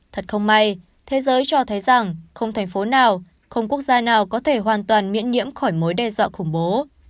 thật không may thế giới cho thấy rằng không thành phố nào không quốc gia nào có thể hoàn toàn miễn nhiễm khỏi mối đe dọa khủng bố